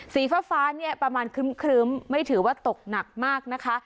สีฟ้าเนี่ยประมาณครึ้มไม่ถือว่าตกหนักมากนะคะ